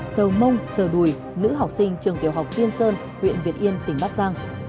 sầu mông sờ đùi nữ học sinh trường tiểu học tiên sơn huyện việt yên tỉnh bắc giang